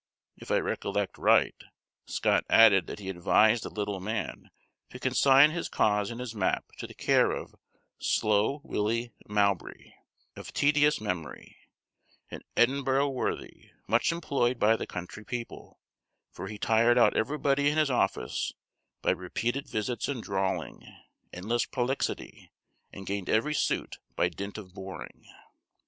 If I recollect right, Scott added that he advised the little man to consign his cause and his map to the care of "Slow Willie Mowbray," of tedious memory, an Edinburgh worthy, much employed by the country people, for he tired out everybody in office by repeated visits and drawling, endless prolixity, and gained every suit by dint of boring.